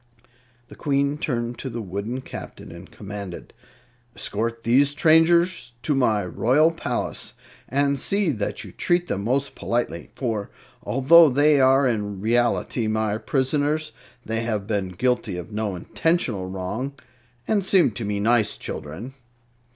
The Queen turned to the wooden Captain and commanded: "Escort these strangers to my royal palace, and see that you treat them most politely; for although they are in reality my prisoners, they have been guilty of no intentional wrong and seem to be nice children."